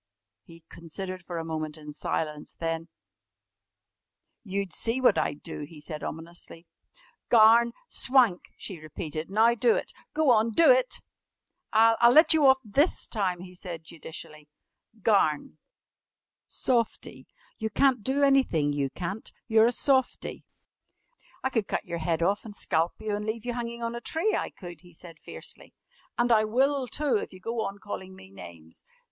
He considered for a moment in silence. Then: "You'd see what I'd do!" he said ominously. "Garn! Swank!" she repeated. "Now do it! Go on, do it!" "I'll let you off this time," he said judicially. "Garn! Softie. You can't do anything, you can't! You're a softie!" "I could cut your head off an' scalp you an' leave you hanging on a tree, I could," he said fiercely, "an' I will, too, if you go on calling me names."